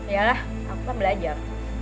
yalah aku lah belajar